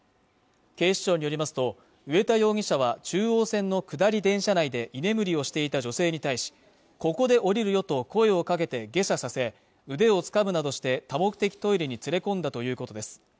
警視庁によりますと上田容疑者は中央線の下り電車内で居眠りをしていた女性に対しここで降りるよと声をかけて下車させ腕をつかむなどして多目的トイレに連れ込んだということです